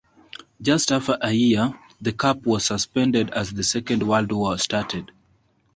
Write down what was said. Just after a year the cup was suspended as the Second World War started.